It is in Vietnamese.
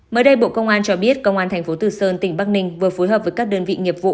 mới đây bộ công an cho biết công an thành phố từ sơn tỉnh bắc ninh vừa phối hợp với các đơn vị nghiệp vụ